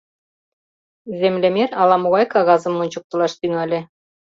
Землемер ала-могай кагазым ончыктылаш тӱҥале: